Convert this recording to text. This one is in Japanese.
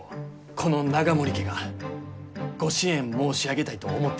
この永守家がご支援申し上げたいと思っています。